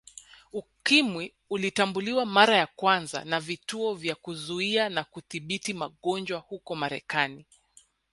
Ukimwi ulitambuliwa mara ya kwanza na Vituo vya Kuzuia na Kudhibiti Magonjwa huko Marekani